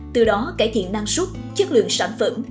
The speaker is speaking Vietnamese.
từ đó cải thiện năng suất chất lượng sản phẩm